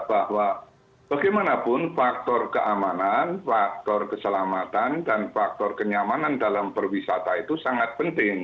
bahwa bagaimanapun faktor keamanan faktor keselamatan dan faktor kenyamanan dalam berwisata itu sangat penting